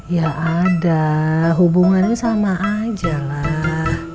ya ada hubungannya sama aja lah